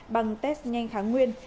bằng test nhanh kháng nguyên